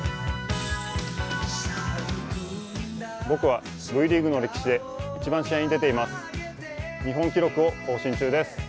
僕はＶリーグの歴史で一番試合に出ています。